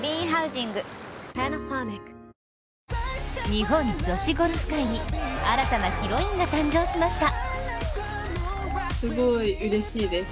日本女子ゴルフ界に新たなヒロインが誕生しました。